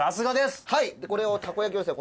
はいこれをたこ焼をですね